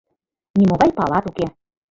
Нимогай палат уке.